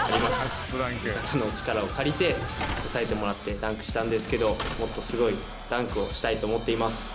味方の力を借りて支えてもらってダンクしたんですけどもっとすごいダンクをしたいと思っています。